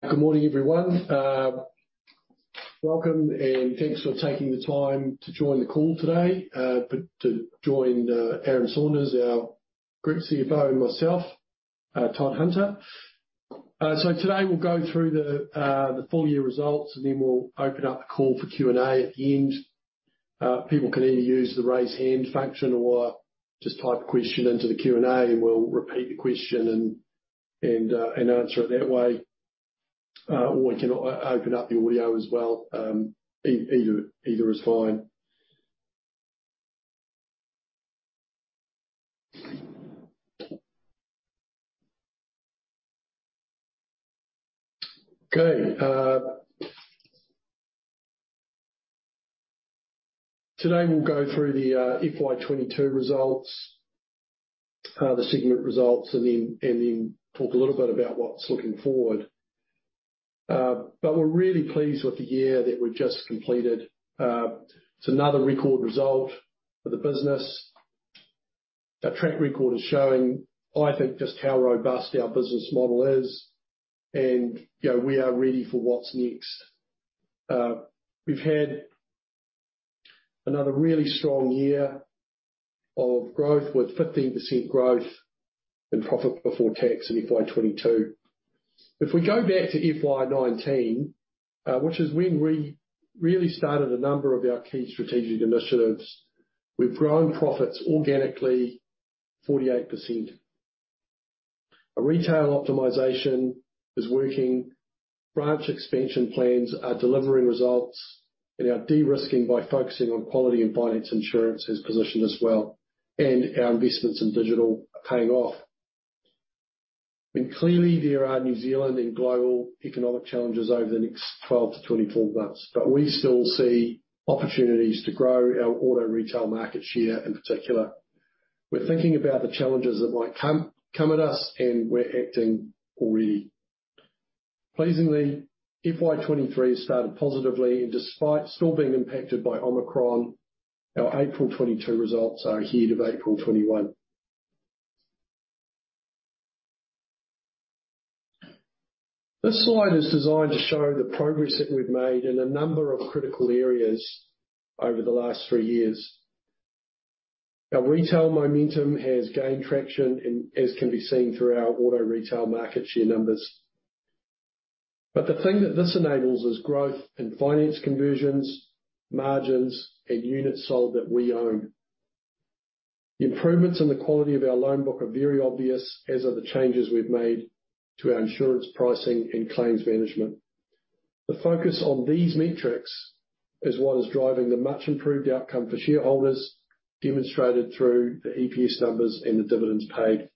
Good morning, everyone. Welcome, and thanks for taking the time to join the call today. To join Aaron Saunders, our Group CFO, and myself, Todd Hunter. Today we'll go through the full year results, and then we'll open up the call for Q&A at the end. People can either use the Raise Hand function or just type a question into the Q&A, and we'll repeat the question and answer it that way. Or we can open up the audio as well. Either is fine. Okay. Today we'll go through the FY 2022 results, the segment results, and then talk a little bit about what's looking forward. We're really pleased with the year that we've just completed. It's another record result for the business. Our track record is showing, I think, just how robust our business model is and, you know, we are ready for what's next. We've had another really strong year of growth with 15% growth in profit before tax in FY 2022. If we go back to FY 2019, which is when we really started a number of our key strategic initiatives, we've grown profits organically 48%. Our retail optimization is working, branch expansion plans are delivering results, and our de-risking by focusing on quality and finance insurance is positioned as well, and our investments in digital are paying off. Clearly, there are New Zealand and global economic challenges over the next 12-24 months, but we still see opportunities to grow our auto retail market share in particular. We're thinking about the challenges that might come at us, and we're acting already. Pleasingly, FY 2023 started positively, and despite still being impacted by Omicron, our April 2022 results are ahead of April 2021. This slide is designed to show the progress that we've made in a number of critical areas over the last three years. Our retail momentum has gained traction and, as can be seen through our auto retail market share numbers. The thing that this enables is growth in finance conversions, margins, and units sold that we own. The improvements in the quality of our loan book are very obvious, as are the changes we've made to our insurance pricing and claims management. The focus on these metrics is what is driving the much improved outcome for shareholders, demonstrated through the EPS numbers and the dividends paid.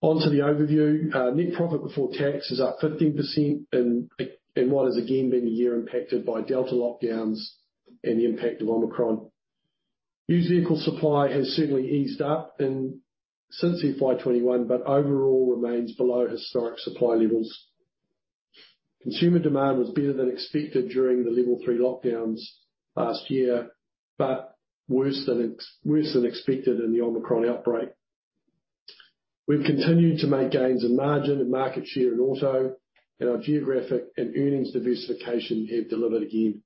On to the overview. Net profit before tax is up 15% in what has again been a year impacted by Delta lockdowns and the impact of Omicron. Used vehicle supply has certainly eased up since FY 2021, but overall remains below historic supply levels. Consumer demand was better than expected during the level three lockdowns last year, but worse than expected in the Omicron outbreak. We've continued to make gains in margin and market share in auto, and our geographic and earnings diversification have delivered again.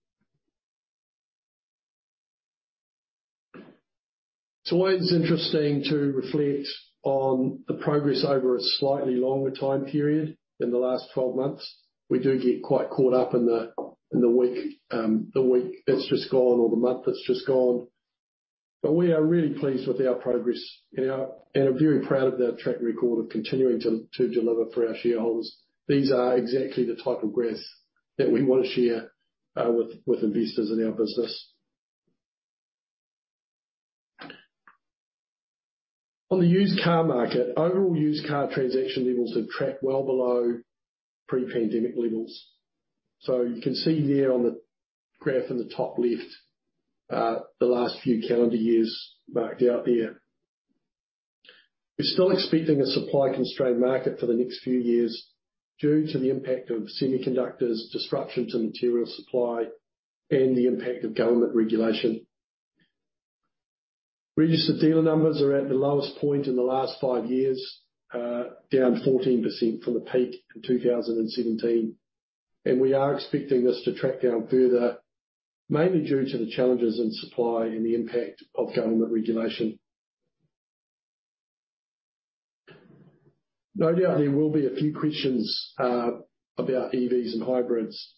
It's always interesting to reflect on the progress over a slightly longer time period in the last 12 months. We do get quite caught up in the week that's just gone or the month that's just gone. We are really pleased with our progress and are very proud of our track record of continuing to deliver for our shareholders. These are exactly the type of growth that we want to share with investors in our business. On the used car market, overall used car transaction levels have tracked well below pre-pandemic levels. You can see there on the graph in the top left, the last few calendar years marked out there. We're still expecting a supply-constrained market for the next few years due to the impact of semiconductors, disruptions in material supply, and the impact of government regulation. Registered dealer numbers are at the lowest point in the last five years, down 14% from the peak in 2017. We are expecting this to track down further, mainly due to the challenges in supply and the impact of government regulation. No doubt there will be a few questions about EVs and hybrids.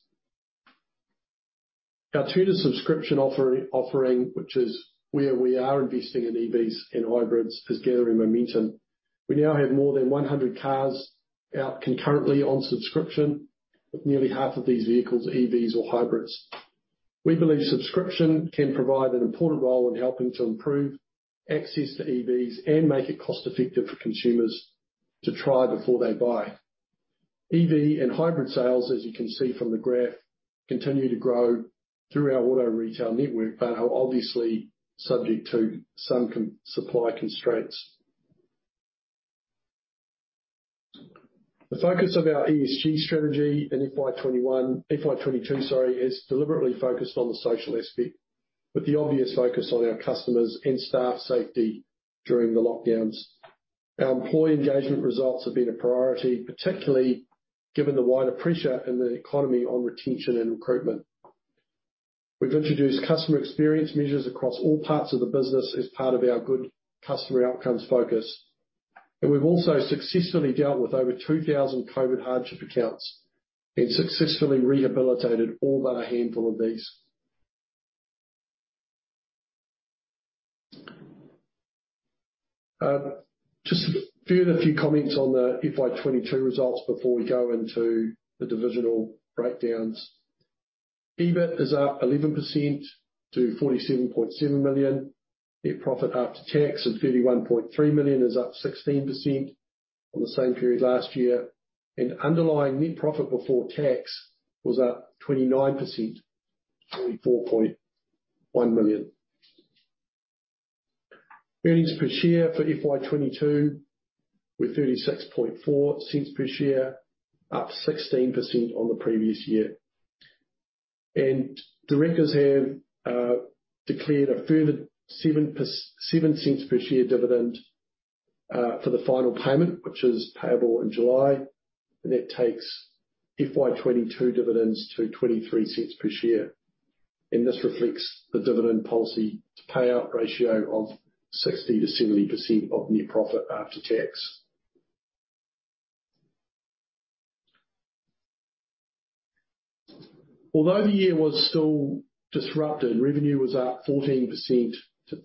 Our Turners subscription offering, which is where we are investing in EVs and hybrids, is gathering momentum. We now have more than 100 cars out concurrently on subscription, with nearly half of these vehicles EVs or hybrids. We believe subscription can provide an important role in helping to improve access to EVs and make it cost-effective for consumers to try before they buy. EV and hybrid sales, as you can see from the graph, continue to grow through our auto retail network, but are obviously subject to some supply constraints. The focus of our ESG strategy in FY 2021, FY 2022, sorry, is deliberately focused on the social aspect, with the obvious focus on our customers and staff safety during the lockdowns. Our employee engagement results have been a priority, particularly given the wider pressure in the economy on retention and recruitment. We've introduced customer experience measures across all parts of the business as part of our good customer outcomes focus. We've also successfully dealt with over 2,000 COVID hardship accounts and successfully rehabilitated all but a handful of these. Just a few comments on the FY 2022 results before we go into the divisional breakdowns. EBIT is up 11% to 47.7 million. Net profit after tax of 31.3 million is up 16% on the same period last year. Underlying net profit before tax was up 29% to NZD 44.1 million. Earnings per share for FY 2022 were 0.364 per share, up 16% on the previous year. Directors have declared a further 0.07 per share dividend for the final payment, which is payable in July. That takes FY 2022 dividends to 0.23 per share. This reflects the dividend policy payout ratio of 60%-70% of net profit after tax. Although the year was still disrupted, revenue was up 14% to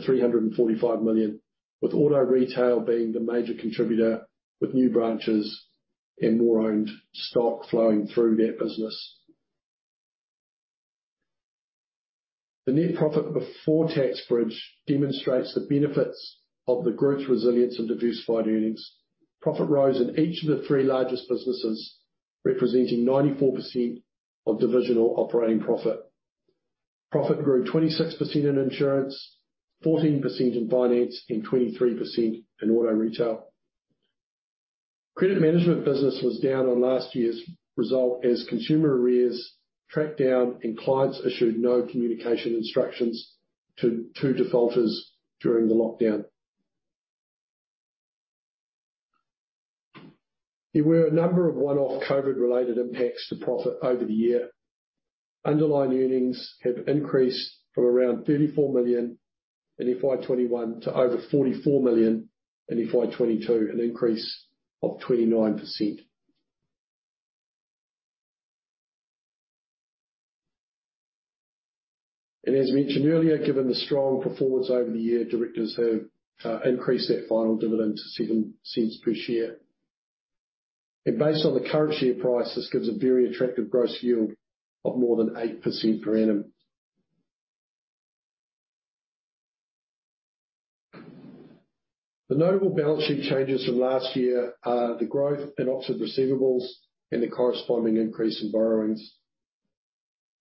345 million, with auto retail being the major contributor, with new branches and more owned stock flowing through that business. The net profit before tax bridge demonstrates the benefits of the group's resilience and diversified earnings. Profit rose in each of the three largest businesses, representing 94% of divisional operating profit. Profit grew 26% in insurance, 14% in finance, and 23% in auto retail. Credit management business was down on last year's result as consumer arrears tracked down and clients issued no communication instructions to defaulters during the lockdown. There were a number of one-off COVID related impacts to profit over the year. Underlying earnings have increased from around 34 million in FY 2021 to over 44 million in FY 2022, an increase of 29%. As mentioned earlier, given the strong performance over the year, directors have increased that final dividend to 0.07 per share. Based on the current share price, this gives a very attractive gross yield of more than 8% per annum. The notable balance sheet changes from last year are the growth in Oxford receivables and the corresponding increase in borrowings,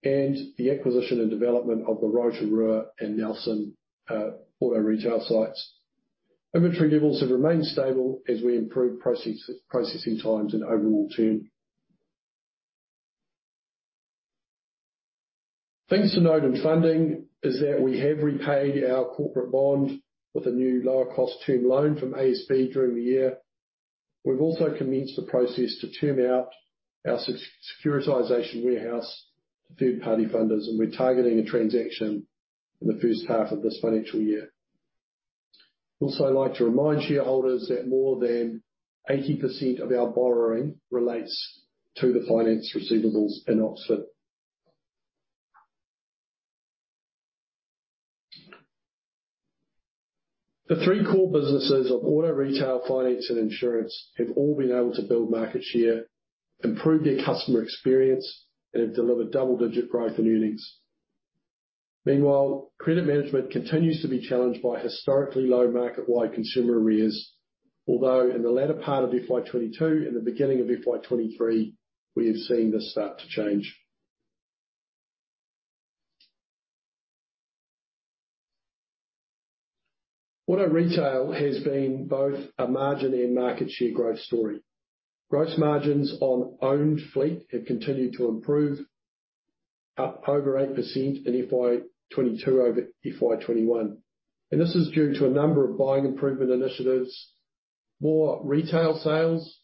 and the acquisition and development of the Rotorua and Nelson auto retail sites. Inventory levels have remained stable as we improve processing times and overall turn. Things to note in funding is that we have repaid our corporate bond with a new lower cost term loan from ASB during the year. We've also commenced the process to term out our securitization warehouse to third-party funders, and we're targeting a transaction in the first half of this financial year. Also, I'd like to remind shareholders that more than 80% of our borrowing relates to the finance receivables in Oxford. The three core businesses of auto retail, finance, and insurance have all been able to build market share, improve their customer experience, and have delivered double-digit growth in earnings. Meanwhile, credit management continues to be challenged by historically low market-wide consumer arrears. Although in the latter part of FY 2022 and the beginning of FY 2023, we have seen this start to change. Auto retail has been both a margin and market share growth story. Gross margins on owned fleet have continued to improve, up over 8% in FY 2022 over FY 2021. This is due to a number of buying improvement initiatives, more retail sales,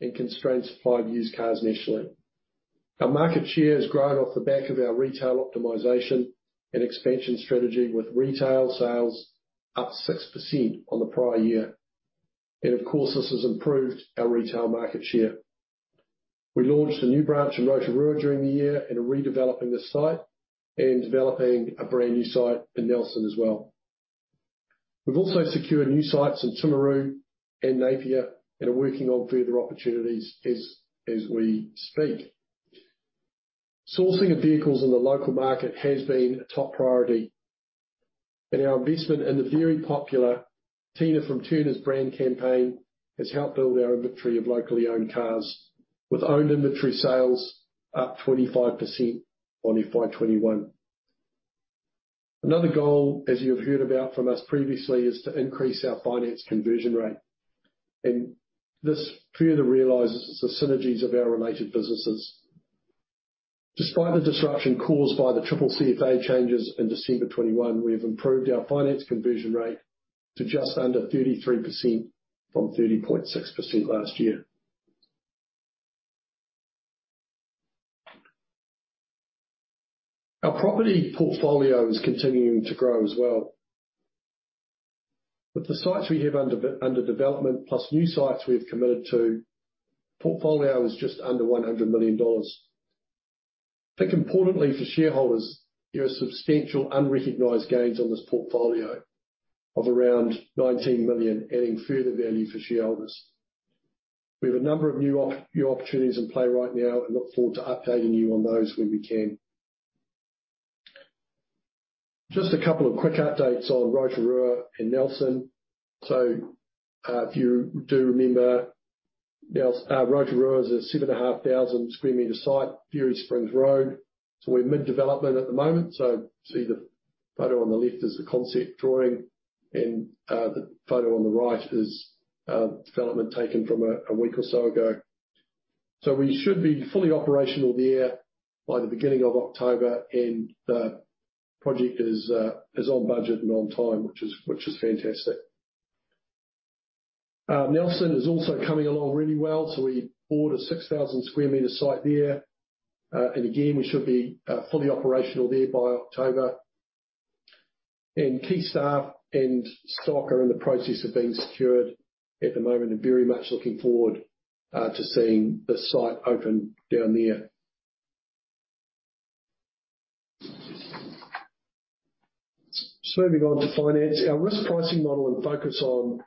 and constraints on supply of used cars nationally. Our market share has grown off the back of our retail optimization and expansion strategy, with retail sales up 6% on the prior year. Of course, this has improved our retail market share. We launched a new branch in Rotorua during the year and are redeveloping the site and developing a brand new site in Nelson as well. We've also secured new sites in Timaru and Napier and are working on further opportunities as we speak. Sourcing of vehicles in the local market has been a top priority. Our investment in the very popular Tina from Turners brand campaign has helped build our inventory of locally owned cars, with owned inventory sales up 25% on FY 2021. Another goal, as you have heard about from us previously, is to increase our finance conversion rate. This further realizes the synergies of our related businesses. Despite the disruption caused by the CCCFA changes in December 2021, we have improved our finance conversion rate to just under 33% from 30.6% last year. Our property portfolio is continuing to grow as well. With the sites we have under development, plus new sites we've committed to, portfolio is just under 100 million dollars. Importantly for shareholders, there are substantial unrecognized gains on this portfolio of around 19 million, adding further value for shareholders. We have a number of new opportunities in play right now and look forward to updating you on those when we can. Just a couple of quick updates on Rotorua and Nelson. If you do remember, Rotorua is a 7,500 sq m site, Fairy Springs Road. We're mid-development at the moment. You see the photo on the left is the concept drawing and, the photo on the right is, development taken from a week or so ago. We should be fully operational there by the beginning of October and the project is on budget and on time, which is fantastic. Nelson is also coming along really well. We bought a 6,000 sq m site there. Again, we should be fully operational there by October. Key staff and stock are in the process of being secured at the moment. Very much looking forward to seeing the site open down there. Moving on to finance. Our risk pricing model and focus on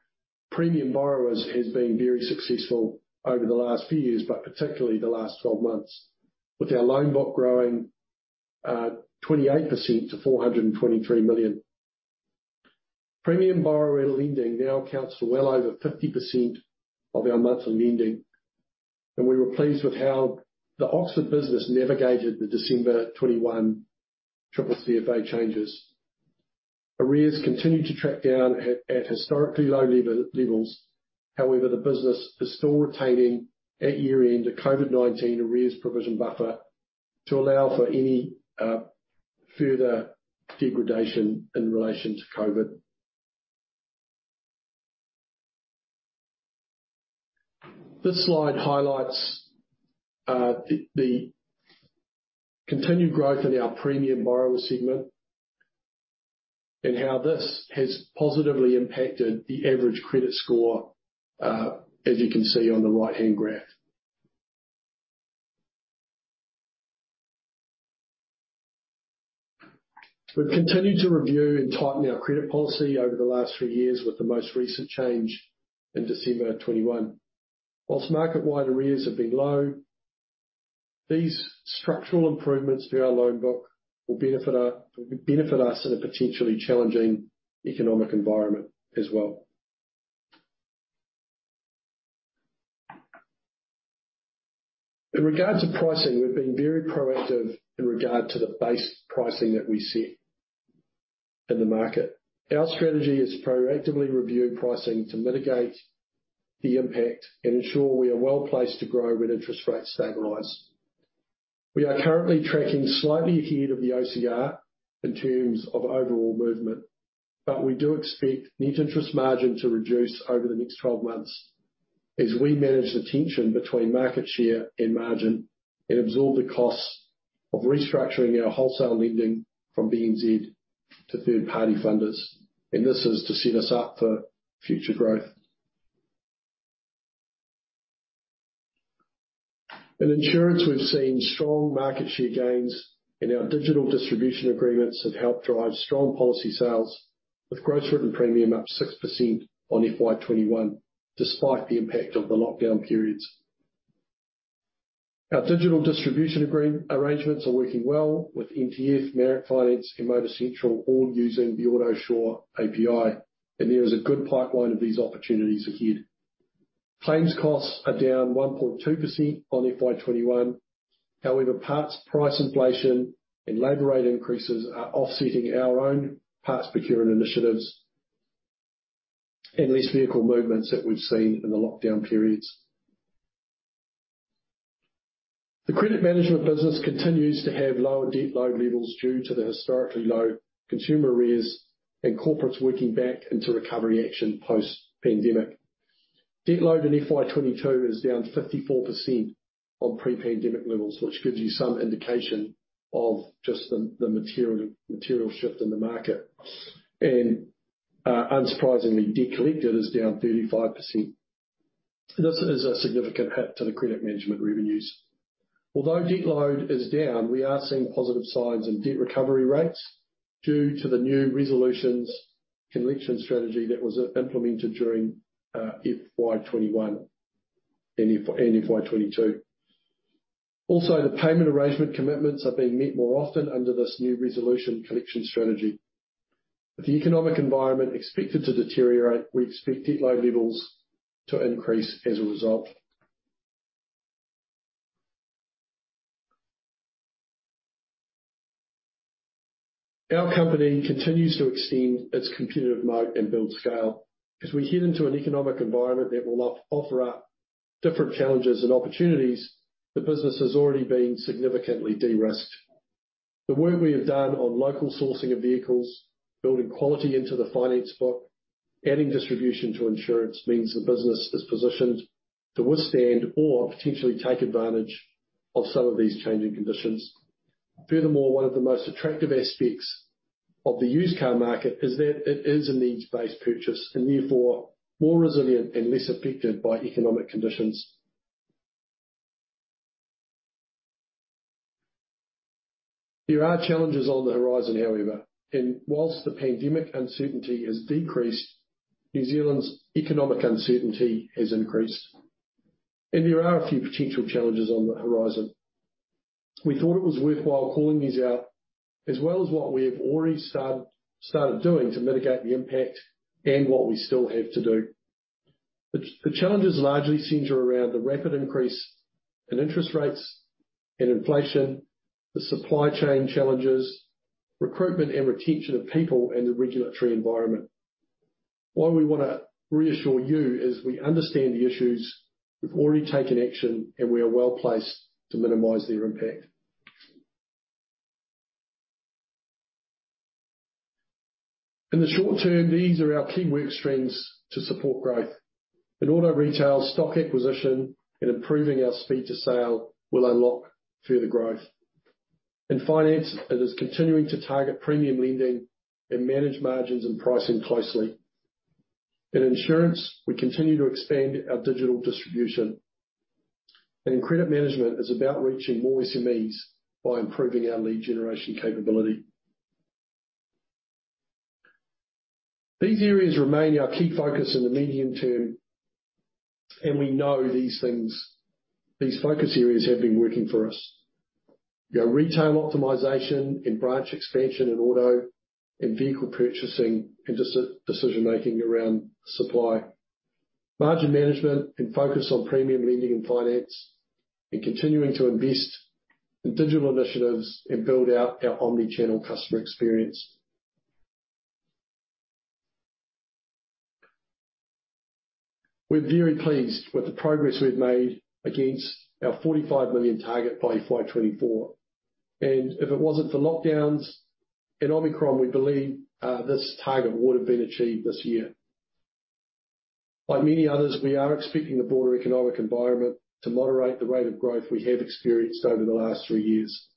premium borrowers has been very successful over the last few years, but particularly the last 12 months. With our loan book growing 28% to 423 million. Premium borrower lending now accounts for well over 50% of our monthly lending. We were pleased with how the Oxford business navigated the December 2021 CCCFA changes. Arrears continue to track down at historically low levels. However, the business is still retaining at year-end a COVID-19 arrears provision buffer to allow for any further degradation in relation to COVID. This slide highlights the continued growth in our premium borrower segment and how this has positively impacted the average credit score as you can see on the right-hand graph. We've continued to review and tighten our credit policy over the last three years with the most recent change in December 2021. While market-wide arrears have been low, these structural improvements to our loan book will benefit us in a potentially challenging economic environment as well. In regards to pricing, we've been very proactive in regard to the base pricing that we set in the market. Our strategy is to proactively review pricing to mitigate the impact and ensure we are well-placed to grow when interest rates stabilize. We are currently tracking slightly ahead of the OCR in terms of overall movement, but we do expect net interest margin to reduce over the next 12 months as we manage the tension between market share and margin and absorb the costs of restructuring our wholesale lending from BNZ to third-party funders. This is to set us up for future growth. In insurance, we've seen strong market share gains, and our digital distribution agreements have helped drive strong policy sales with gross written premium up 6% on FY 2021, despite the impact of the lockdown periods. Our digital distribution arrangements are working well with MTF, Merit Cars and Motorcentral all using the Autosure API, and there is a good pipeline of these opportunities ahead. Claims costs are down 1.2% on FY 2021. However, parts price inflation and labor rate increases are offsetting our own parts procurement initiatives and less vehicle movements that we've seen in the lockdown periods. The credit management business continues to have lower debt load levels due to the historically low consumer arrears and corporates working back into recovery action post-pandemic. Debt load in FY 2022 is down 54% on pre-pandemic levels, which gives you some indication of just the material shift in the market. Unsurprisingly, debt collected is down 35%. This is a significant hit to the credit management revenues. Although debt load is down, we are seeing positive signs in debt recovery rates due to the new resolutions and collection strategy that was implemented during FY 2021 and FY 2022. Also, the payment arrangement commitments are being met more often under this new resolution collection strategy. With the economic environment expected to deteriorate, we expect debt load levels to increase as a result. Our company continues to extend its competitive mode and build scale. As we head into an economic environment that will offer up different challenges and opportunities, the business has already been significantly de-risked. The work we have done on local sourcing of vehicles, building quality into the finance book, adding distribution to insurance, means the business is positioned to withstand or potentially take advantage of some of these changing conditions. Furthermore, one of the most attractive aspects of the used car market is that it is a needs-based purchase and therefore more resilient and less affected by economic conditions. There are challenges on the horizon, however, and while the pandemic uncertainty has decreased, New Zealand's economic uncertainty has increased. There are a few potential challenges on the horizon. We thought it was worthwhile calling these out, as well as what we have already started doing to mitigate the impact and what we still have to do. The challenges largely center around the rapid increase in interest rates and inflation, the supply chain challenges, recruitment and retention of people, and the regulatory environment. What we wanna reassure you is we understand the issues, we've already taken action, and we are well-placed to minimize their impact. In the short term, these are our key work streams to support growth. In auto retail, stock acquisition and improving our speed to sale will unlock further growth. In finance, it is continuing to target premium lending and manage margins and pricing closely. In insurance, we continue to expand our digital distribution. In credit management, it's about reaching more SMEs by improving our lead generation capability. These areas remain our key focus in the medium term. We know these focus areas have been working for us. Our retail optimization and branch expansion in auto and vehicle purchasing and decision-making around supply. Margin management and focus on premium lending and finance, and continuing to invest in digital initiatives and build out our omni-channel customer experience. We're very pleased with the progress we've made against our 45 million target by FY 2024. If it wasn't for lockdowns and Omicron, we believe this target would have been achieved this year. Like many others, we are expecting the broader economic environment to moderate the rate of growth we have experienced over the last three years.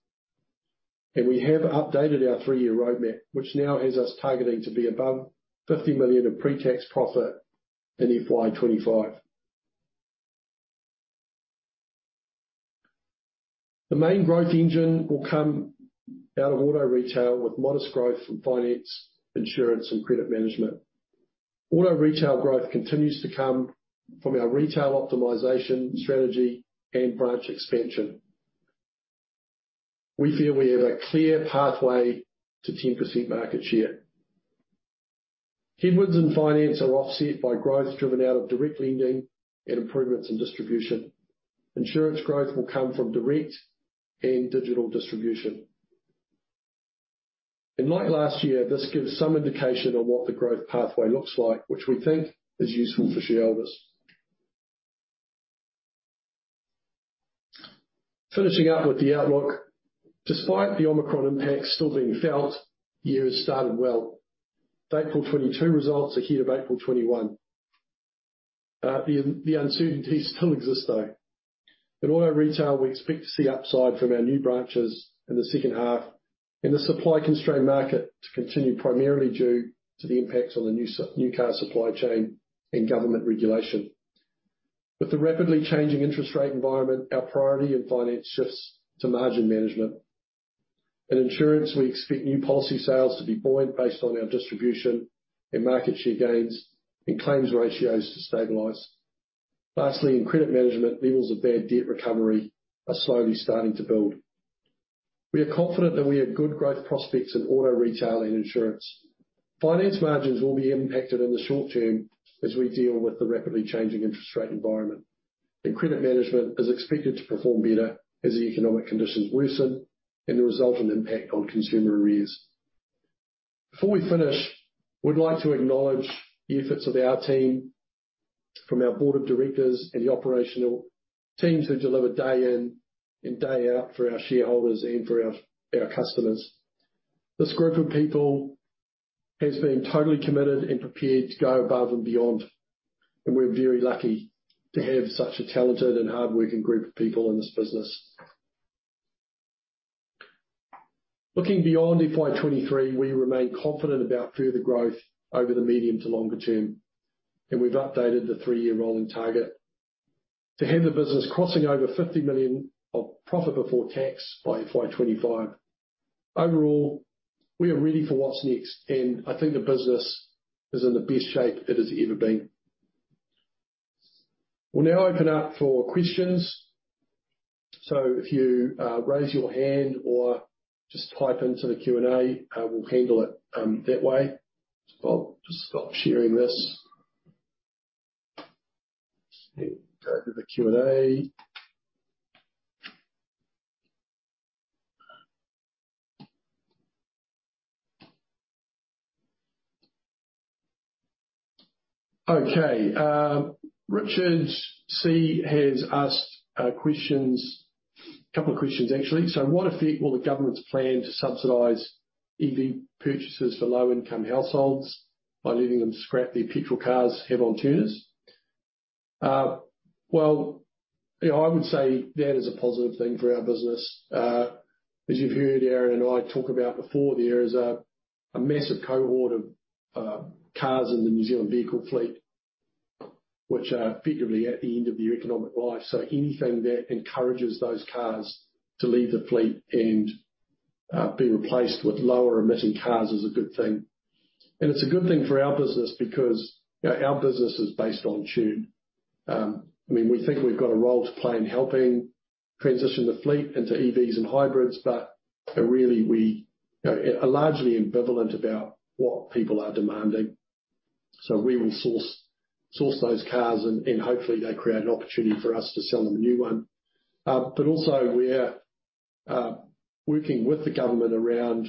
We have updated our three-year roadmap, which now has us targeting to be above 50 million in pretax profit in FY 2025. The main growth engine will come out of auto retail with modest growth from finance, insurance, and credit management. Auto retail growth continues to come from our retail optimization strategy and branch expansion. We feel we have a clear pathway to 10% market share. Headwinds in finance are offset by growth driven out of direct lending and improvements in distribution. Insurance growth will come from direct and digital distribution. Like last year, this gives some indication on what the growth pathway looks like, which we think is useful for shareholders. Finishing up with the outlook. Despite the Omicron impact still being felt, the year has started well. The April 2022 results are ahead of April 2021. The uncertainties still exist, though. In auto retail, we expect to see upside from our new branches in the second half, and the supply-constrained market to continue primarily due to the impacts on the new car supply chain and government regulation. With the rapidly changing interest rate environment, our priority in finance shifts to margin management. In insurance, we expect new policy sales to be buoyant based on our distribution and market share gains, and claims ratios to stabilize. Lastly, in credit management, levels of bad debt recovery are slowly starting to build. We are confident that we have good growth prospects in auto retail and insurance. Finance margins will be impacted in the short term as we deal with the rapidly changing interest rate environment. Credit management is expected to perform better as the economic conditions worsen and the resultant impact on consumer arrears. Before we finish, we'd like to acknowledge the efforts of our team, from our board of directors and the operational teams who deliver day in and day out for our shareholders and for our our customers. This group of people has been totally committed and prepared to go above and beyond, and we're very lucky to have such a talented and hardworking group of people in this business. Looking beyond FY 2023, we remain confident about further growth over the medium to longer term, and we've updated the three-year rolling target to have the business crossing over 50 million of profit before tax by FY 2025. Overall, we are ready for what's next, and I think the business is in the best shape it has ever been. We'll now open up for questions. If you raise your hand or just type into the Q&A, we'll handle it that way. I'll just stop sharing this. Let's see. Go to the Q&A. Okay. Richard C. has asked a couple of questions, actually. What effect will the government's plan to subsidize EV purchases for low-income households by letting them scrap their petrol cars have on Turners? Well, you know, I would say that is a positive thing for our business. As you've heard Aaron and I talk about before, there is a massive cohort of cars in the New Zealand vehicle fleet which are effectively at the end of their economic life. Anything that encourages those cars to leave the fleet and be replaced with lower emitting cars is a good thing. It's a good thing for our business because, you know, our business is based on turn. I mean, we think we've got a role to play in helping transition the fleet into EVs and hybrids, but really we, you know, are largely ambivalent about what people are demanding. We will source those cars and hopefully they create an opportunity for us to sell them a new one. Also we are working with the government around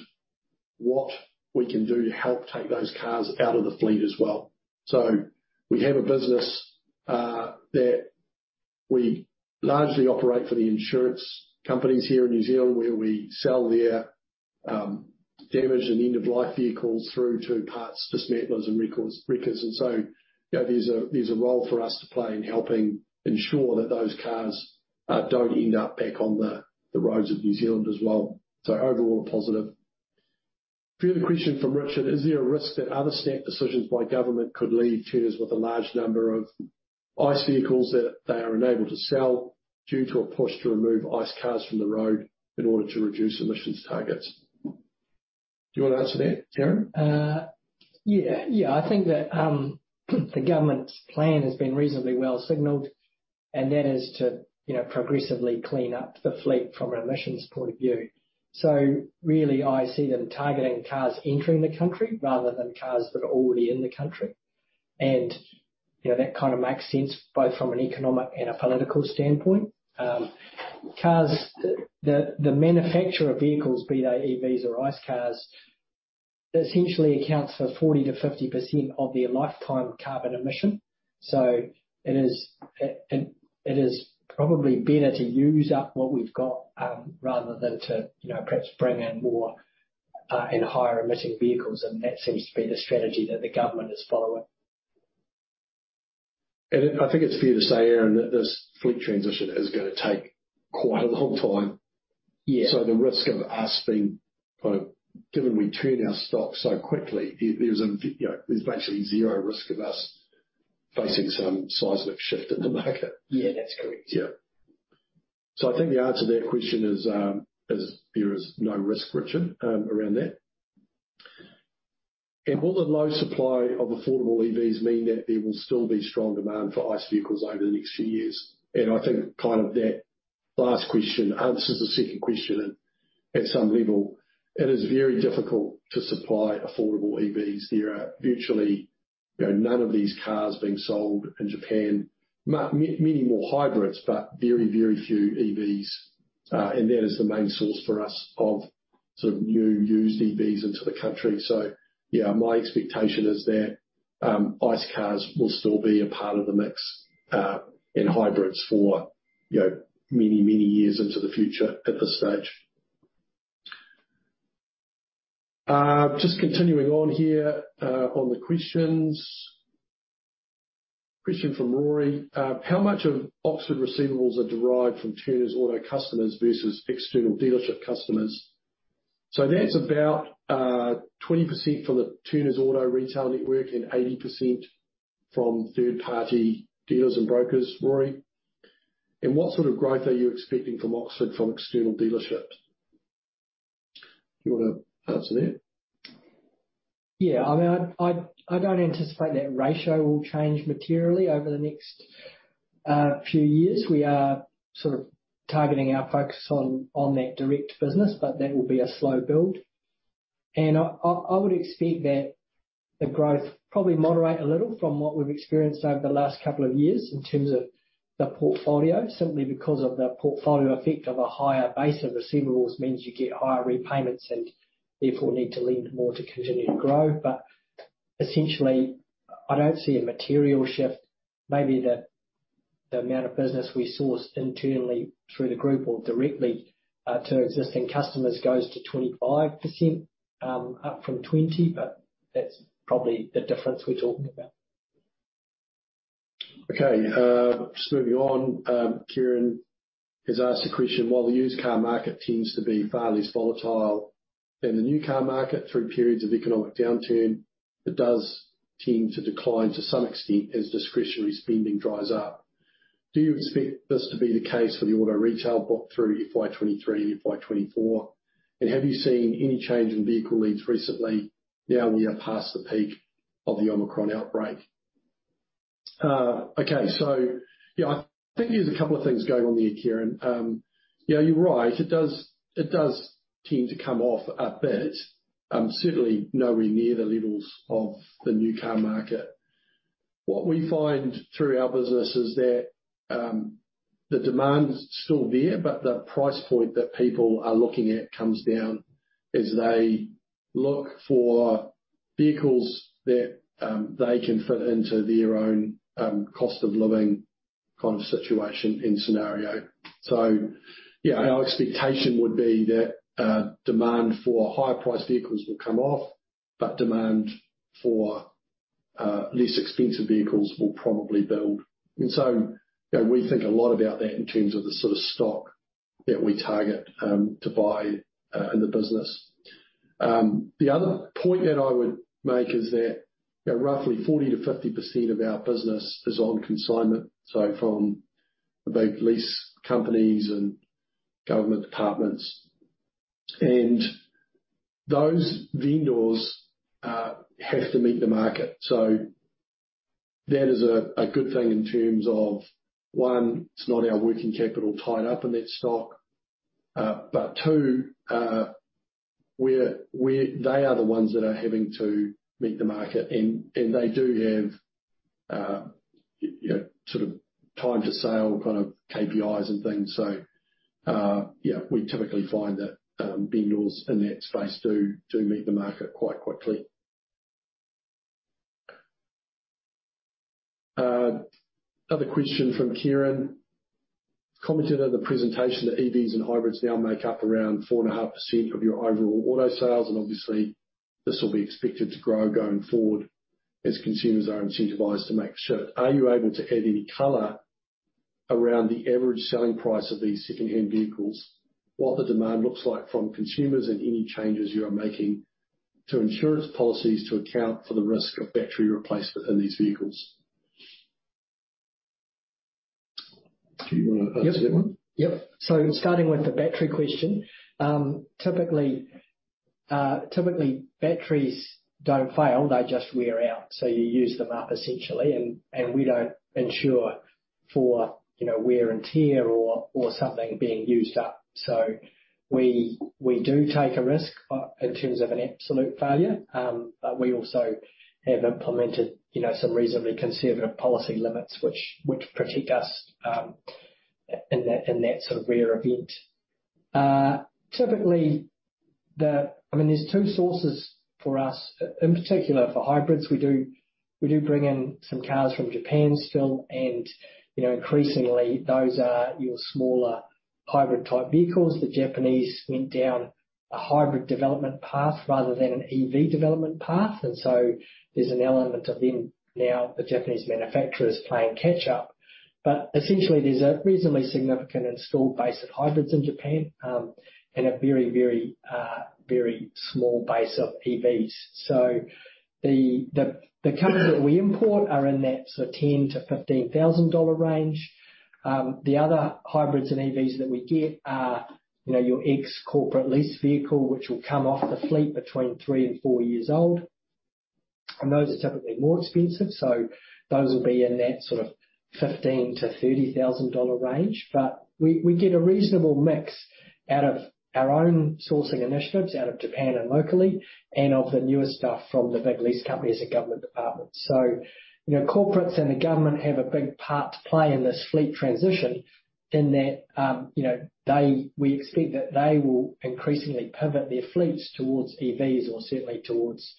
what we can do to help take those cars out of the fleet as well. We have a business that we largely operate for the insurance companies here in New Zealand, where we sell their damaged and end of life vehicles through to parts dismantlers and wreckers. You know, there's a role for us to play in helping ensure that those cars don't end up back on the roads of New Zealand as well. Overall, a positive. Further question from Richard. Is there a risk that other snap decisions by government could leave Turners with a large number of ICE vehicles that they are unable to sell due to a push to remove ICE cars from the road in order to reduce emissions targets? Do you wanna answer that, Aaron? Yeah. I think that the government's plan has been reasonably well signaled, and that is to, you know, progressively clean up the fleet from an emissions point of view. Really I see them targeting cars entering the country rather than cars that are already in the country. You know, that kinda makes sense both from an economic and a political standpoint. The manufacturer of vehicles, be they EVs or ICE cars, essentially accounts for 40%-50% of their lifetime carbon emission. It is probably better to use up what we've got, rather than to, you know, perhaps bring in more and higher emitting vehicles. That seems to be the strategy that the government is following. I think it's fair to say, Aaron, that this fleet transition is gonna take quite a long time. Yeah. The risk of us being given we turn our stock so quickly, you know, there's basically zero risk of us facing some seismic shift in the market. Yeah, that's correct. Yeah. I think the answer to that question is there is no risk, Richard, around that. Will the low supply of affordable EVs mean that there will still be strong demand for ICE vehicles over the next few years? I think kind of that last question answers the second question at some level. It is very difficult to supply affordable EVs. There are virtually, you know, none of these cars being sold in Japan. Many more hybrids, but very, very few EVs. That is the main source for us of sort of new used EVs into the country. Yeah, my expectation is that ICE cars will still be a part of the mix, and hybrids for, you know, many, many years into the future at this stage. Just continuing on here, on the questions. Question from Rory. How much of Oxford receivables are derived from Turners Automotive customers versus external dealership customers? That's about 20% from the Turners Automotive retail network and 80% from third-party dealers and brokers, Rory. What sort of growth are you expecting from Oxford from external dealerships? Do you wanna answer that? Yeah. I mean, I don't anticipate that ratio will change materially over the next few years. We are sort of targeting our focus on that direct business, but that will be a slow build. I would expect that the growth probably moderate a little from what we've experienced over the last couple of years in terms of the portfolio, simply because of the portfolio effect of a higher base of receivables means you get higher repayments and therefore need to lend more to continue to grow. Essentially, I don't see a material shift. Maybe the amount of business we source internally through the group or directly to existing customers goes to 25%, up from 20%, but that's probably the difference we're talking about. Okay. Just moving on. Kieran has asked a question. While the used car market tends to be far less volatile than the new car market through periods of economic downturn, it does tend to decline to some extent as discretionary spending dries up. Do you expect this to be the case for the auto retail block through FY 2023 and FY 2024? And have you seen any change in vehicle leads recently now we are past the peak of the Omicron outbreak? Okay. Yeah, I think there's a couple of things going on there, Kieran. Yeah, you're right. It does tend to come off a bit. Certainly nowhere near the levels of the new car market. What we find through our business is that, the demand is still there, but the price point that people are looking at comes down as they look for vehicles that, they can fit into their own, cost of living kind of situation and scenario. Yeah, our expectation would be that, demand for higher priced vehicles will come off, but demand for, less expensive vehicles will probably build. You know, we think a lot about that in terms of the sort of stock that we target, to buy, in the business. The other point that I would make is that roughly 40%-50% of our business is on consignment. From the big lease companies and government departments. Those vendors have to meet the market. That is a good thing in terms of, one, it's not our working capital tied up in that stock, but two, they are the ones that are having to meet the market and they do have, you know, sort of time to sale kind of KPIs and things. Yeah, we typically find that vendors in that space meet the market quite quickly. Another question from Kieran. Commented on the presentation that EVs and hybrids now make up around 4.5% of your overall auto sales, and obviously this will be expected to grow going forward as consumers are incentivized to make the shift. Are you able to add any color around the average selling price of these secondhand vehicles, what the demand looks like from consumers and any changes you are making to insurance policies to account for the risk of battery replacement in these vehicles? Do you wanna answer that one? Yep. Starting with the battery question, typically batteries don't fail, they just wear out. You use them up essentially, and we don't insure for, you know, wear and tear or something being used up. We do take a risk, but in terms of an absolute failure, but we also have implemented, you know, some reasonably conservative policy limits which protect us, in that sort of rare event. Typically, I mean, there's two sources for us. In particular for hybrids, we do bring in some cars from Japan still and, you know, increasingly those are your smaller hybrid-type vehicles. The Japanese went down a hybrid development path rather than an EV development path. There's an element of them now, the Japanese manufacturers playing catch up. Essentially, there's a reasonably significant installed base of hybrids in Japan, and a very small base of EVs. The cars that we import are in that sort of 10,000-15,000 dollar range. The other hybrids and EVs that we get are, you know, your ex-corporate lease vehicle, which will come off the fleet between three and four years old, and those are typically more expensive. Those will be in that sort of 15,000-30,000 dollar range. We get a reasonable mix out of our own sourcing initiatives out of Japan and locally and of the newer stuff from the big lease companies and government departments. You know, corporates and the government have a big part to play in this fleet transition in that, you know, we expect that they will increasingly pivot their fleets towards EVs or certainly towards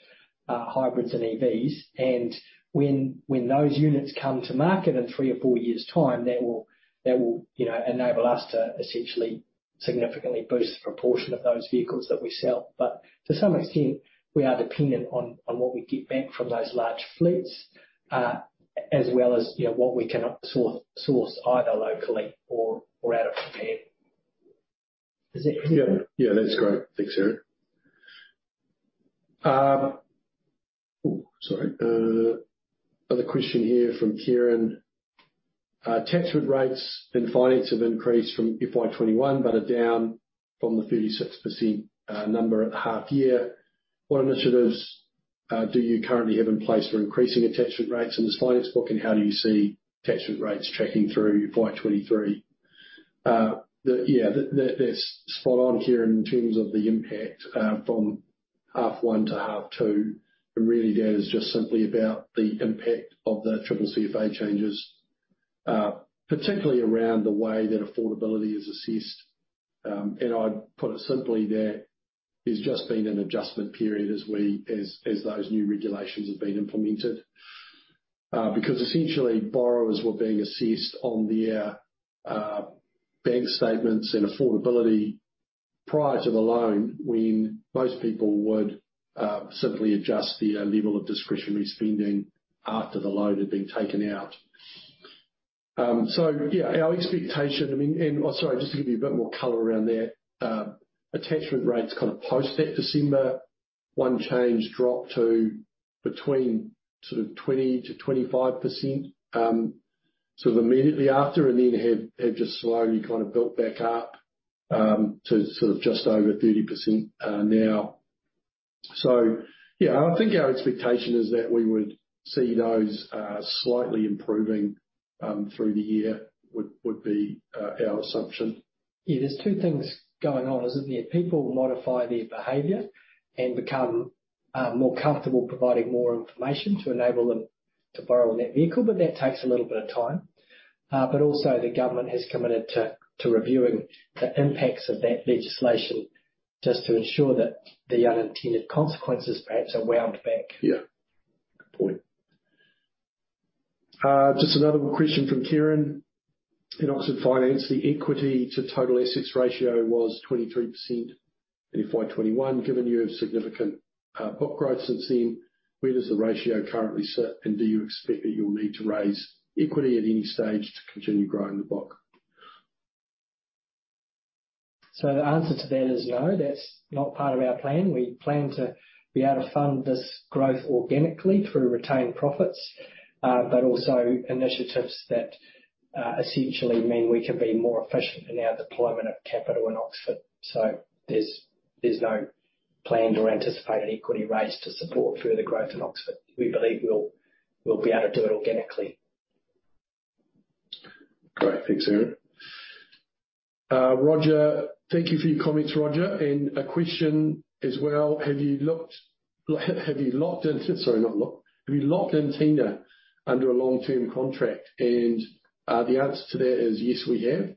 hybrids and EVs. When those units come to market in three or four years' time, that will, you know, enable us to essentially significantly boost the proportion of those vehicles that we sell. To some extent, we are dependent on what we get back from those large fleets, as well as, you know, what we can source either locally or out of Japan. Is that clear? Yeah. Yeah, that's great. Thanks, Aaron. Another question here from Kieran. Attachment rates and finance have increased from FY 2021 but are down from the 36% number at the half year. What initiatives do you currently have in place for increasing attachment rates in this finance book, and how do you see attachment rates tracking through FY 2023? Yeah, that's spot on, Kieran, in terms of the impact from half one to half two. Really that is just simply about the impact of the CCCFA changes, particularly around the way that affordability is assessed. I'd put it simply that it's just been an adjustment period as those new regulations have been implemented. Because essentially borrowers were being assessed on their bank statements and affordability prior to the loan, when most people would simply adjust their level of discretionary spending after the loan had been taken out. Our expectation, I mean, oh, sorry, just to give you a bit more color around that. Attachment rates kind of post that December 1 change dropped to between sort of 20%-25%, sort of immediately after, and then have just slowly kind of built back up to sort of just over 30%, now. Yeah, I think our expectation is that we would see those slightly improving through the year would be our assumption. Yeah. There's two things going on, isn't there? People modify their behavior and become more comfortable providing more information to enable them to borrow on that vehicle, but that takes a little bit of time. But also the government has committed to reviewing the impacts of that legislation just to ensure that the unintended consequences perhaps are wound back. Yeah. Good point. Just another question from Kieran. In Oxford Finance, the equity to total assets ratio was 23% in FY 2021. Given you have significant book growth since then, where does the ratio currently sit, and do you expect that you'll need to raise equity at any stage to continue growing the book? The answer to that is no. That's not part of our plan. We plan to be able to fund this growth organically through retained profits, but also initiatives that essentially mean we can be more efficient in our deployment of capital in Oxford. There's no plan to anticipate an equity raise to support further growth in Oxford. We believe we'll be able to do it organically. Great. Thanks, Aaron. Roger, thank you for your comments, Roger, and a question as well. Have you locked in Tina under a long-term contract? The answer to that is yes, we have.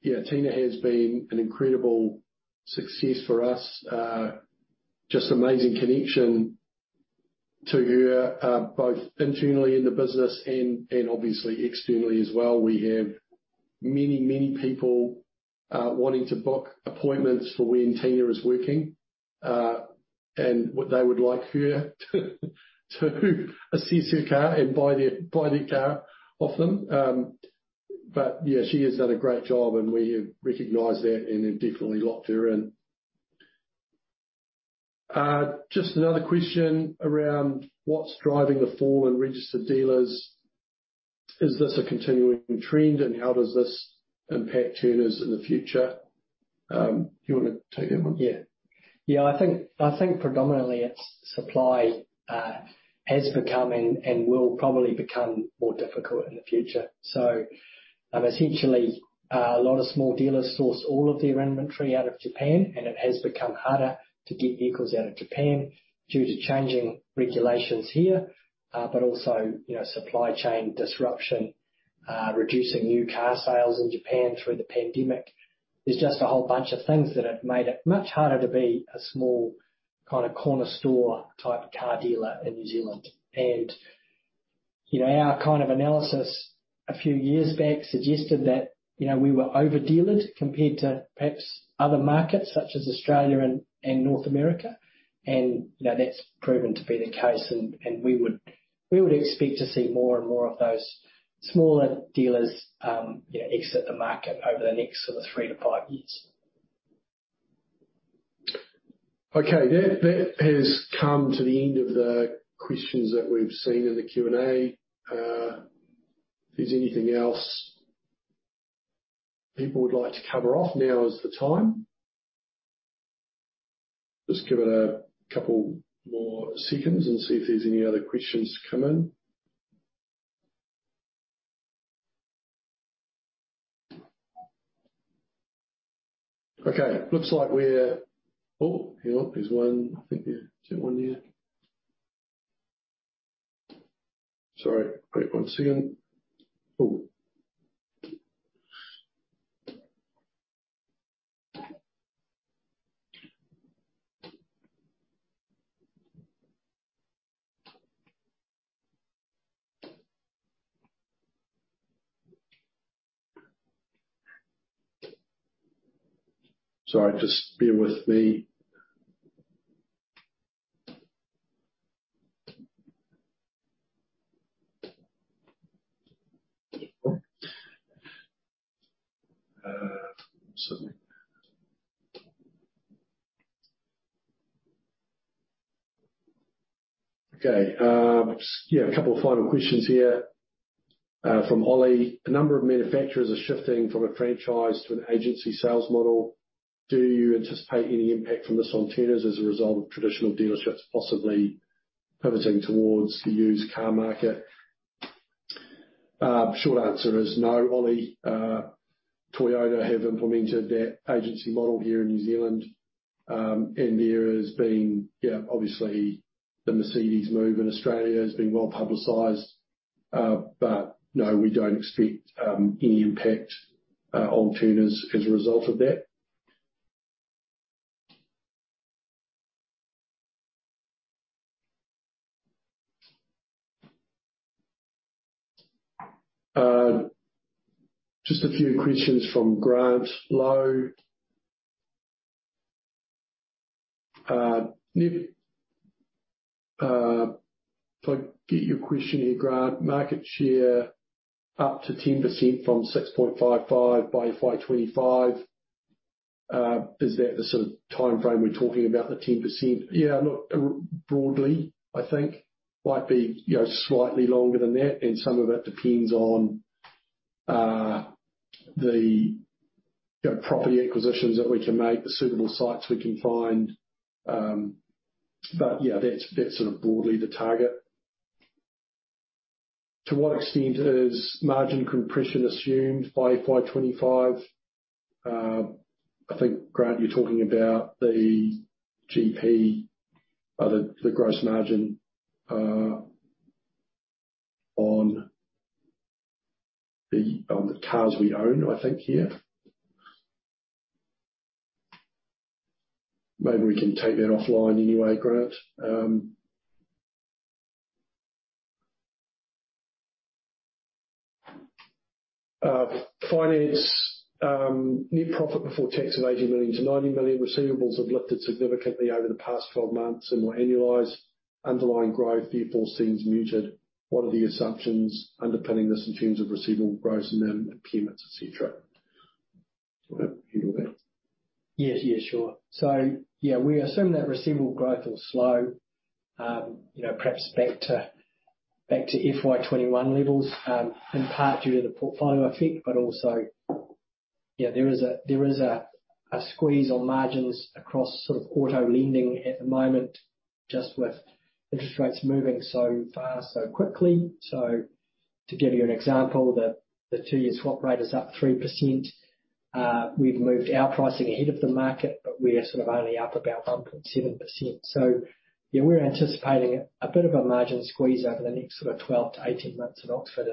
Yeah, Tina has been an incredible success for us. Just amazing connection to her, both internally in the business and obviously externally as well. We have many people wanting to book appointments for when Tina is working, and what they would like her to assess her car and buy their car off them. But yeah, she has done a great job and we have recognized that and have definitely locked her in. Just another question around what's driving the fall in registered dealers. Is this a continuing trend? How does this impact Turners in the future? Do you wanna take that one? I think predominantly it's supply has become and will probably become more difficult in the future. Essentially, a lot of small dealers sourced all of their inventory out of Japan, and it has become harder to get vehicles out of Japan due to changing regulations here, but also, you know, supply chain disruption, reducing new car sales in Japan through the pandemic. There's just a whole bunch of things that have made it much harder to be a small, kinda corner store type car dealer in New Zealand. You know, our kind of analysis a few years back suggested that, you know, we were over-dealered compared to perhaps other markets such as Australia and North America. You know, that's proven to be the case and we would expect to see more and more of those smaller dealers, you know, exit the market over the next sort of three-five years. Okay. That has come to the end of the questions that we've seen in the Q&A. If there's anything else people would like to cover off, now is the time. Just give it a couple more seconds and see if there's any other questions to come in. Okay. A couple of final questions here from Ollie. A number of manufacturers are shifting from a franchise to an agency sales model. Do you anticipate any impact from this on Turners as a result of traditional dealerships possibly pivoting towards the used car market? Short answer is no, Ollie. Toyota have implemented that agency model here in New Zealand. There has been, yeah, obviously the Mercedes move in Australia has been well publicized. No, we don't expect any impact on Turners as a result of that. Just a few questions from Grant Low. If I get your question here, Grant, market share up to 10% from 6.55 by FY 2025. Is that the sort of timeframe we're talking about, the 10%? Yeah, look, broadly, I think. Might be, you know, slightly longer than that, and some of it depends on the property acquisitions that we can make, the suitable sites we can find. Yeah, that's sort of broadly the target. To what extent is margin compression assumed by FY 2025? I think, Grant, you're talking about the GP or the gross margin on the cars we own, I think here. Maybe we can take that offline anyway, Grant. Finance net profit before tax of 80 million-90 million receivables have lifted significantly over the past 12 months and will annualize. Underlying growth therefore seems muted. What are the assumptions underpinning this in terms of receivable growth and then payments, et cetera? Do you want to handle that? Yeah. Yeah, sure. Yeah, we assume that receivable growth will slow, you know, perhaps back to FY 2021 levels, in part due to the portfolio effect, but also, yeah, there is a squeeze on margins across sort of auto lending at the moment just with interest rates moving so fast, so quickly. To give you an example, the two-year swap rate is up 3%. We've moved our pricing ahead of the market, but we are sort of only up about 1.7%. Yeah, we're anticipating a bit of a margin squeeze over the next sort of 12-18 months at Oxford,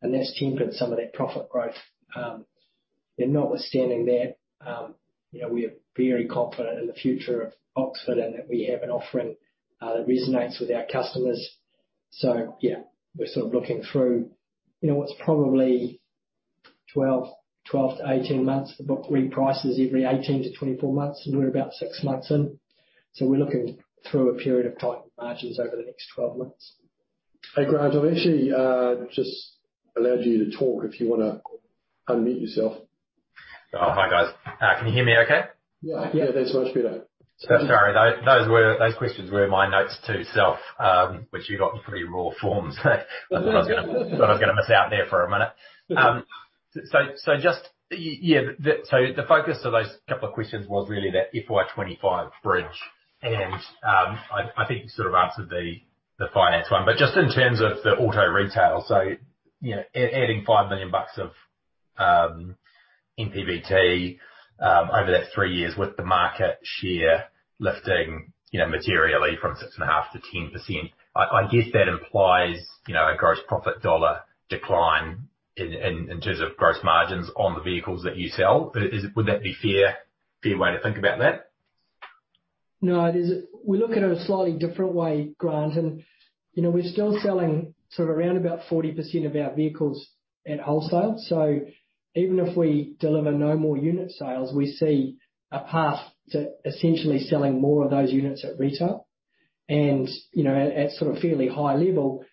and that's tempered some of that profit growth. Notwithstanding that, you know, we are very confident in the future of Oxford and that we have an offering that resonates with our customers. We're sort of looking through, you know, what's probably 12, 18 months. We've got three phases every 18-24 months, and we're about six months in. We're looking through a period of tight margins over the next 12 months. Hey, Grant, I've actually just allowed you to talk if you wanna unmute yourself. Oh, hi guys. Can you hear me okay? Yeah. Yeah, that's much better. Sorry. Those questions were my notes to self, which you got in pretty raw form. Thought I was gonna miss out there for a minute. Yeah. The focus of those couple of questions was really that FY 2025 bridge, and I think you sort of answered the finance one, but just in terms of the auto retail, you know, adding 5 million bucks of NPBT over that three years with the market share lifting, you know, materially from 6.5%-10%. I guess that implies, you know, a gross profit dollar decline in terms of gross margins on the vehicles that you sell. Would that be a fair way to think about that? No, we look at it a slightly different way, Grant, and, you know, we're still selling sort of around about 40% of our vehicles at wholesale. Even if we deliver no more unit sales, we see a path to essentially selling more of those units at retail. You know, at sort of fairly high level,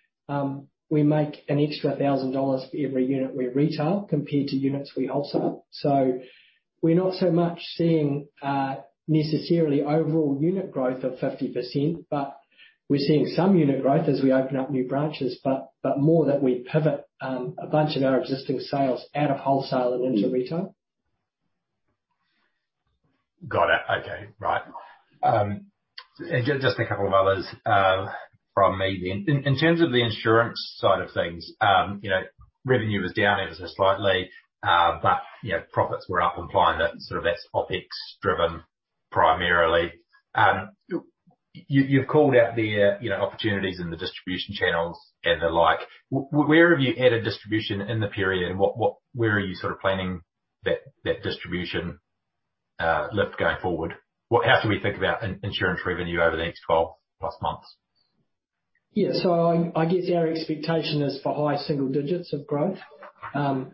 we make an extra 1000 dollars for every unit we retail compared to units we wholesale. We're not so much seeing necessarily overall unit growth of 50%, but we're seeing some unit growth as we open up new branches. But more that we pivot a bunch of our existing sales out of wholesale and into retail. Got it. Okay. Right. Just a couple of others from me then. In terms of the insurance side of things, you know, revenue was down ever so slightly, but, you know, profits were up, implying that sort of that's OpEx driven primarily. You've called out there, you know, opportunities in the distribution channels and the like. Where have you added distribution in the period and where are you sort of planning that distribution lift going forward? How should we think about insurance revenue over the next 12+ months? Yeah. I guess our expectation is for high single digits of growth. I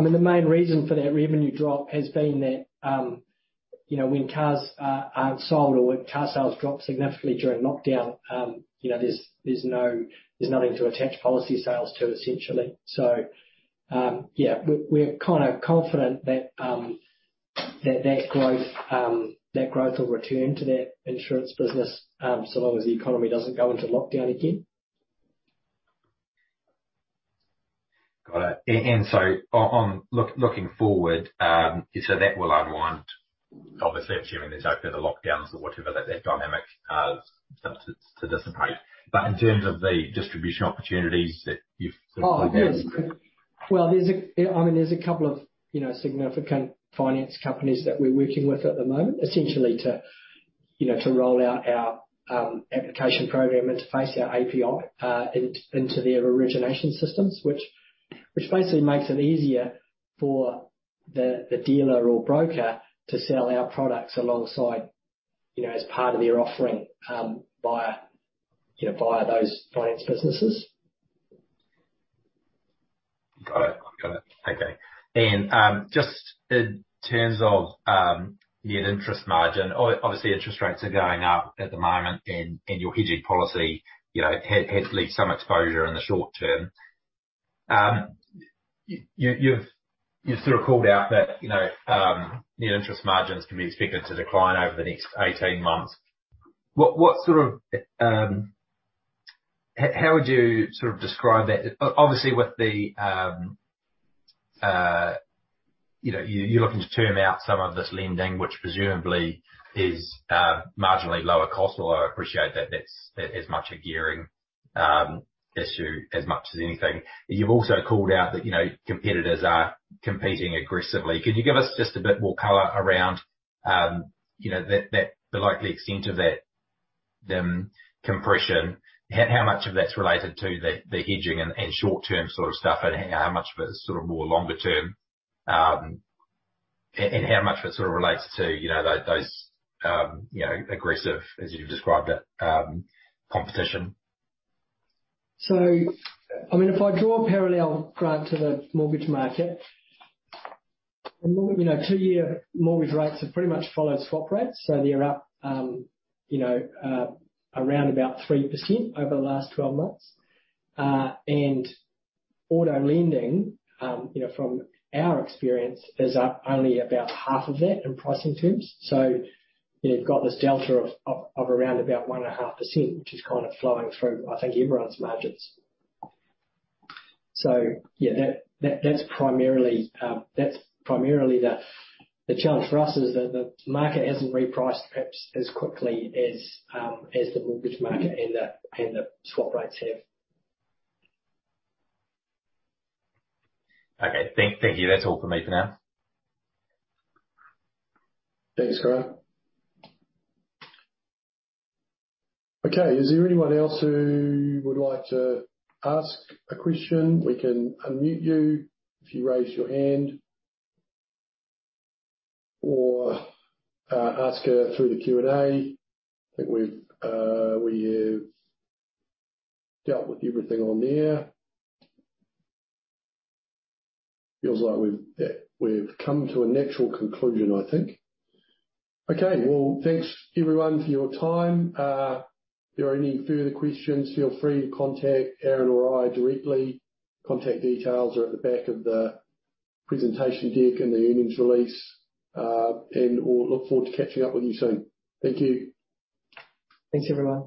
mean, the main reason for that revenue drop has been that, you know, when cars aren't sold or when car sales drop significantly during lockdown, you know, there's nothing to attach policy sales to essentially. Yeah. We're kind of confident that that growth will return to that insurance business, so long as the economy doesn't go into lockdown again. Got it. Looking forward, that will unwind, obviously assuming there's no further lockdowns or whatever that dynamic starts to dissipate. In terms of the distribution opportunities that you've sort of- Oh, yes. Well, I mean, there's a couple of, you know, significant finance companies that we're working with at the moment essentially to, you know, to roll out our application program interface, our API, into their origination systems, which basically makes it easier for the dealer or broker to sell our products alongside, you know, as part of their offering, via, you know, via those finance businesses. Got it. Okay. Just in terms of net interest margin, obviously interest rates are going up at the moment and your hedging policy, you know, has left some exposure in the short term. You've sort of called out that, you know, net interest margins can be expected to decline over the next 18 months. How would you sort of describe that? Obviously, you know, you're looking to term out some of this lending, which presumably is marginally lower cost, although I appreciate that that's as much a gearing issue as much as anything. You've also called out that, you know, competitors are competing aggressively. Could you give us just a bit more color around, you know, the likely extent of that margin compression? How much of that's related to the hedging and short-term sort of stuff, and how much of it is sort of more longer term? How much of it sort of relates to, you know, those, you know, aggressive, as you've described it, competition? I mean, if I draw a parallel, Grant, to the mortgage market, you know, two-year mortgage rates have pretty much followed swap rates, so they're up, you know, around about 3% over the last 12 months. Auto lending, you know, from our experience is up only about half of that in pricing terms. You've got this delta of around about 1.5%, which is kind of flowing through, I think, everyone's margins. Yeah, that's primarily the challenge for us is the market hasn't repriced perhaps as quickly as the mortgage market and the swap rates have. Okay. Thank you. That's all for me for now. Thanks, Grant. Okay. Is there anyone else who would like to ask a question? We can unmute you if you raise your hand or ask it through the Q&A. I think we have dealt with everything on there. Feels like we've, yeah, come to a natural conclusion, I think. Okay. Well, thanks everyone for your time. If there are any further questions, feel free to contact Aaron or I directly. Contact details are at the back of the presentation deck and the earnings release. We'll look forward to catching up with you soon. Thank you. Thanks, everyone.